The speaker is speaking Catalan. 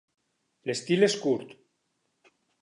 L'estil és curt.